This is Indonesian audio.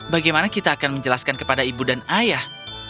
bagaimana kita akan menjelaskan kepada ibu dan ayah